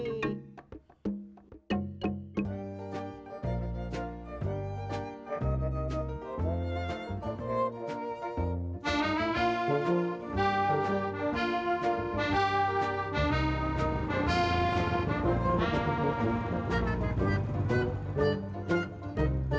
nah sampe malem aku